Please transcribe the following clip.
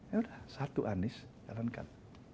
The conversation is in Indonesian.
ya udah satu anies jalankan